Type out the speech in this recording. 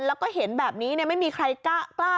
เราก็เห็นแบบนี้เนี่ยไม่มีใครกล้า